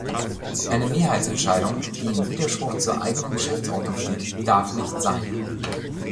Eine Mehrheitsentscheidung, die im Widerspruch zur eigenen Geschäftsordnung steht, darf nicht sein.